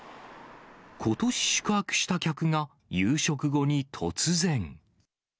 ことし、宿泊した客が、夕食後に突然。